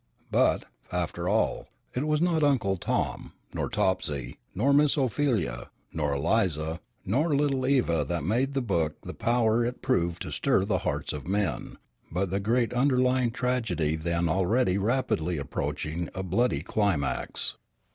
But, after all, it was not Uncle Tom, nor Topsy, nor Miss Ophelia, nor Eliza, nor little Eva that made the book the power it proved to stir the hearts of men, but the great underlying tragedy then already rapidly approaching a bloody climax.